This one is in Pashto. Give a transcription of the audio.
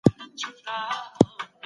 کله به نړیواله ټولنه سفارت تایید کړي؟